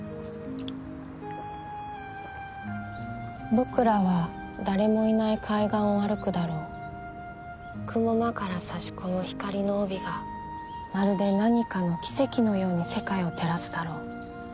「ぼくらは誰もいない海岸を歩くだろう」「雲間から差し込む光の帯がまるで何かの奇跡のように世界を照らすだろう」